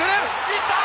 いった！